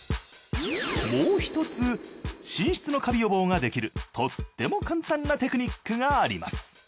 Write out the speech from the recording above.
もう１つ寝室のカビ予防ができるとっても簡単なテクニックがあります。